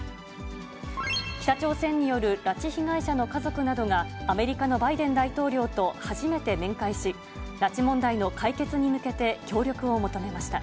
北朝鮮による拉致被害者の家族などが、アメリカのバイデン大統領と初めて面会し、拉致問題の解決に向けて協力を求めました。